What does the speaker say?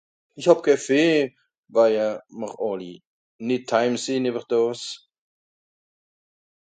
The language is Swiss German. esch hàb keh fee weije mr àlli nìt teim sìn ewer daas